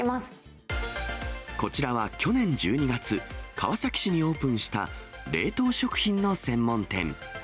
こちらは去年１２月、川崎市にオープンした冷凍食品の専門店。